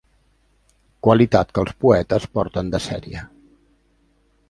Qualitat que els poetes porten de sèrie.